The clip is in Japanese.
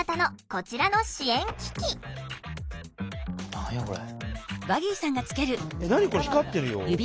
何やこれ？